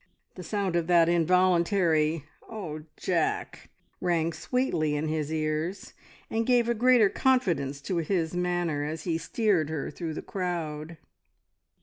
The sound of that involuntary "Oh, Jack!" rang sweetly in his ears, and gave a greater confidence to his manner, as he steered her through the crowd.